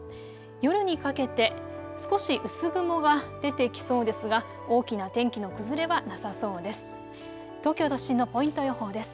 夜にかけて少し薄雲は出てきそうですが大きな天気の崩れはなさそうです。